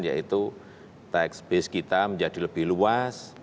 yaitu tax base kita menjadi lebih luas